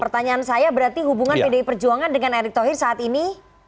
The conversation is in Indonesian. pertanyaan saya berarti hubungan pdi perjuangan dengan erick thohir saat ini